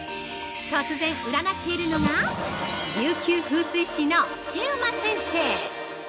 突然占っているのが琉球風水志のシウマ先生。